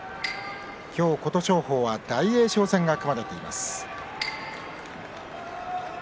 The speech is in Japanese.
今日、琴勝峰は大栄翔戦が組まれています。